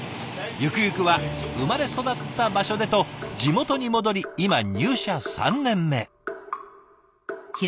ゆくゆくは生まれ育った場所でと地元に戻り今入社３年目。